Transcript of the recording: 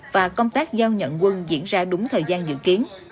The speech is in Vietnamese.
và công tác giao nhận quân diễn ra đúng thời gian dự kiến